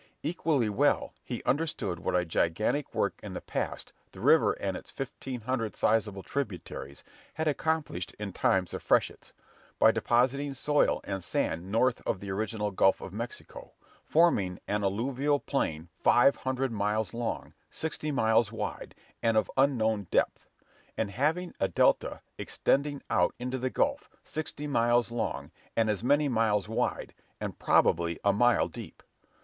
Equally well he understood what a gigantic work in the past the river and its fifteen hundred sizable tributaries had accomplished in times of freshets, by depositing soil and sand north of the original Gulf of Mexico, forming an alluvial plain five hundred miles long, sixty miles wide, and of unknown depth, and having a delta extending out into the Gulf, sixty miles long, and as many miles wide, and probably a mile deep.